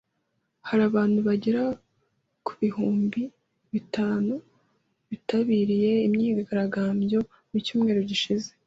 Hari abantu bagera ku bihumbi bitatu bitabiriye imyigaragambyo mu cyumweru gishize.